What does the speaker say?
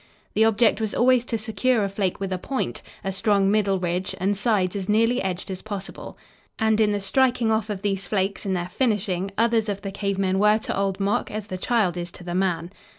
The object was always to secure a flake with a point, a strong middle ridge and sides as nearly edged as possible. And in the striking off of these flakes and their finishing others of the cave men were to old Mok as the child is to the man.